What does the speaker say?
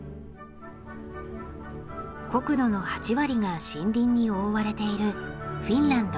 国土の８割が森林に覆われているフィンランド。